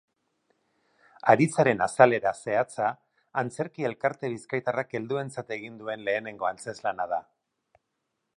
Haritzaren azalera zehatza antzerki elkarte bizkaitarrak helduentzat egin duen lehenengo antzezlana da.